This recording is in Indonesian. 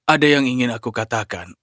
ada yang ingin aku katakan